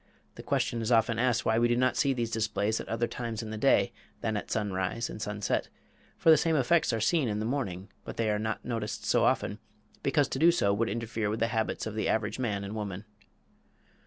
The question is often asked why we do not see these displays at other times in the day than at sunrise and at sunset for the same effects are seen in the morning, but they are not noticed so often, because to do so would interfere with the habits of the average man and woman.